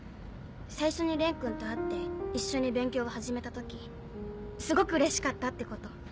最初に蓮君と会って一緒に勉強を始めた時すごくうれしかったってこと。